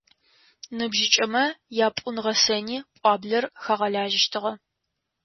Ныбжьыкӏэмэ япӏун-гъэсэни пӏуаблэр хагъэлажьэщтыгъэ.